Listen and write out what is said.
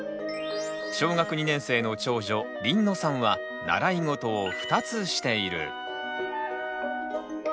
小学２年生の長女りんのさんは習い事を２つしている。